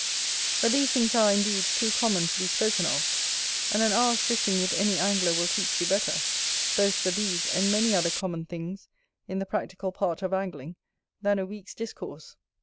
But these things are, indeed, too common to be spoken of; and an hour's fishing with any angler will teach you better, both for these and many other common things in the practical part of angling, than a week's discourse.